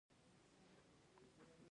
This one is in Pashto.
سیلاني ځایونه د افغانانو په ژوند اغېزې لري.